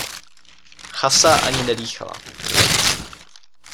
Chasa ani nedýchala.